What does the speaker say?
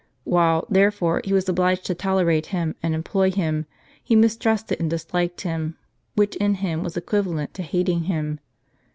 While, therefore, he was obliged to tolerate him, and employ him, he mistrusted and disliked him, which in him was equivalent to hating him.